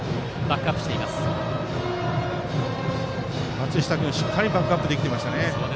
松下君、しっかりバックアップできていました。